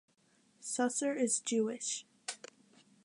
Susser is Jewish.